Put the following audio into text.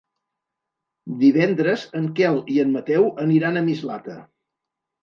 Divendres en Quel i en Mateu aniran a Mislata.